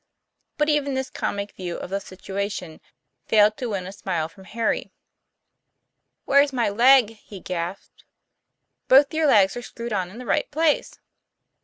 But even this comic view of the situation failed to win a smile from Harry. " Where's my leg ?' he gasped. :< Both your legs are screwed on in the right place."